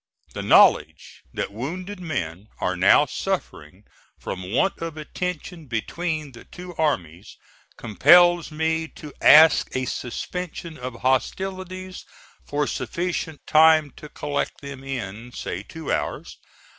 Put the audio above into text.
The knowledge that wounded men are now suffering from want of attention, between the two armies, compels me to ask a suspension of hostilities for sufficient time to collect them in, say two hours.